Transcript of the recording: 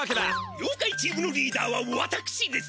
ようかいチームのリーダーはわたくしです！